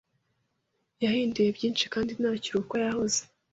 Yahinduye byinshi, kandi ntakiri uko yahoze.